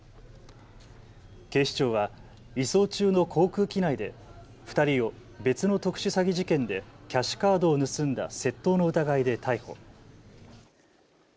警視庁は移送中の航空機内で２人を別の特殊詐欺事件でキャッシュカードを盗んだ窃盗の疑いで逮捕。